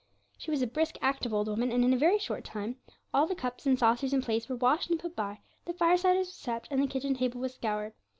She was a brisk, active old woman, and in a very short time all the cups, and saucers, and plates were washed and put by, the fireside was swept, and the kitchen table was scoured.